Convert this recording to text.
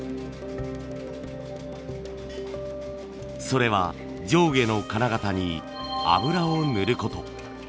それは上下の金型に油を塗ること。